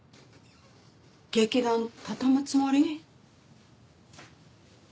劇団畳むつもり？